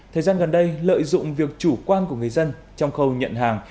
thời gian gần đây lợi dụng việc chủ quan của người dân trong khâu nhận hàng